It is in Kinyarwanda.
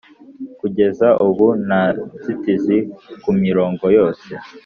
Kugeza ubu nta nzitizi ku mirongo yose